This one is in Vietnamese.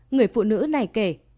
người phụ nữ này kể